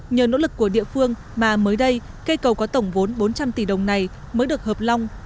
nhờ nỗ lực của địa phương mà mới đây cây cầu có tổng vốn bốn trăm linh tỷ đồng này mới được hợp long